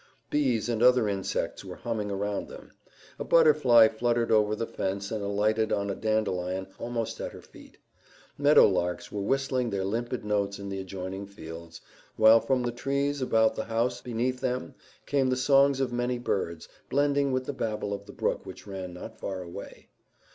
Bees and other insects were humming around them; a butterfly fluttered over the fence and alighted on a dandelion almost at her feet; meadow larks were whistling their limpid notes in the adjoining fields, while from the trees about the house beneath them came the songs of many birds, blending with the babble of the brook which ran not far away.